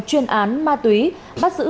chuyên án ma túy bắt giữ